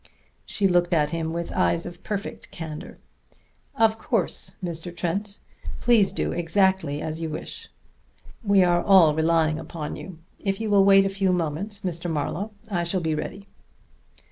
She looked at him with eyes of perfect candor. "Of course, Mr. Trent. Please do exactly as you wish. We are all relying upon you. If you will wait a few moments, Mr. Marlowe, I shall be ready."